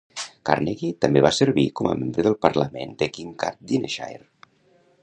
Carnegie també va servir com a membre del Parlament de Kincardineshire.